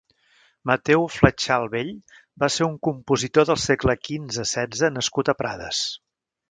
Mateu Fletxal Vell va ser un compositor del segle quinze-setze nascut a Prades.